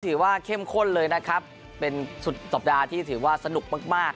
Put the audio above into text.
ถือว่าเข้มข้นเลยนะครับเป็นสุดสัปดาห์ที่ถือว่าสนุกมากมาก